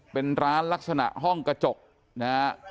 เป็นร้านลักษณะห้องกระจกนะฮะ